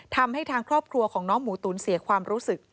ทางครอบครัวของน้องหมูตุ๋นเสียความรู้สึก